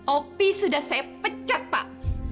opi sudah saya pecat pak